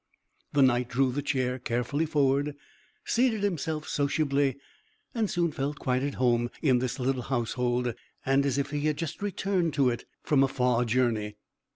The Knight drew the chair carefully forward, seated himself sociably, and soon felt quite at home in this little household, and as if he had just returned to it from a far journey.